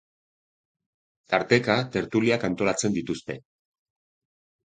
Tarteka tertuliak antolatzen dituzte.